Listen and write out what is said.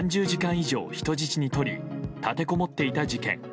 以上人質にとり立てこもっていた事件。